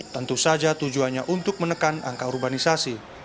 tentu saja tujuannya untuk menekan angka urbanisasi